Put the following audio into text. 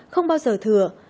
không bao giờ thừa